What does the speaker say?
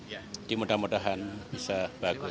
jadi mudah mudahan bisa bagus